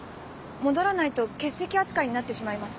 戻らないと欠席扱いになってしまいます。